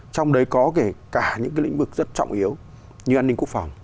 trong đấy có cả những lĩnh vực rất trọng yếu như an ninh quốc phòng